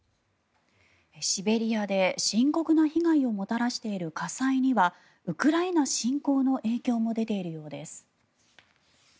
シベリアで深刻な被害をもたらしている火災にはウクライナ侵攻の影響も出ているようです。